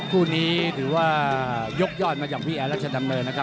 คู่นี้ถือว่ายกยอดมาจากพี่แอรัชดำเนินนะครับ